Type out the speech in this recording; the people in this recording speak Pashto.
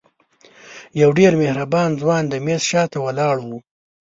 یو ډېر مهربانه ځوان د میز شاته ولاړ و.